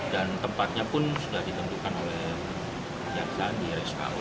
dan tempatnya pun sudah ditentukan oleh jaksaan di rsko